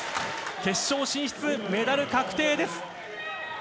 決勝進出、メダル確定です！